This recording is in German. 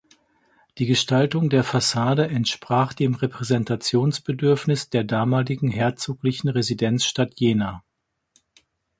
Die Gestaltung der Fassade entsprach dem Repräsentationsbedürfnis der damaligen herzoglichen Residenzstadt Jena.